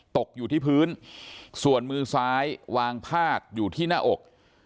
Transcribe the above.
ตกอยู่ที่พื้นส่วนมือซ้ายวางพาดอยู่ที่หน้าอก